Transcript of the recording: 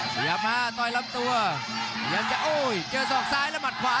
ขยับมาต่อยลำตัวพยายามจะโอ้ยเจอศอกซ้ายและหมัดขวา